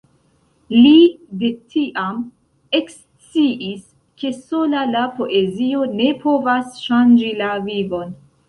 Li de tiam eksciis, ke sola la poezio ne povas ŝanĝi la vivon.